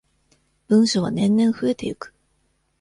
文書は年々増えていく。